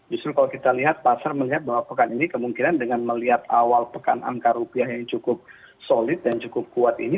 justru kalau kita lihat pasar melihat bahwa pekan ini kemungkinan dengan melihat awal pekan angka rupiah yang cukup solid dan cukup kuat ini